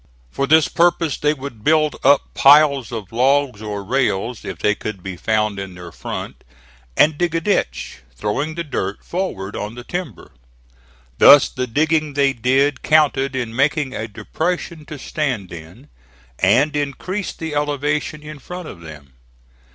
For this purpose they would build up piles of logs or rails if they could be found in their front, and dig a ditch, throwing the dirt forward on the timber. Thus the digging they did counted in making a depression to stand in, and increased the elevation in front of them.